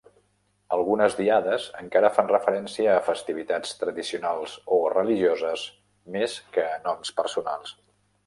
Algunes diades encara fan referència a festivitats tradicionals o religioses més que a noms personals.